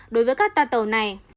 đối với các toa tàu này